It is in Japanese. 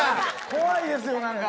怖いですよなんか。